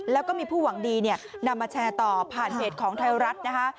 แล้วก็มีผู้หวังดีเนี่ยนำมาแชร์ต่อผ่านเพจของไทยรัฐนะคะ